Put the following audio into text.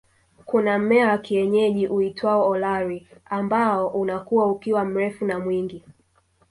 Kuna mmea wa kienyeji uitwao Olari ambao unakua ukiwa mrefu na mwingi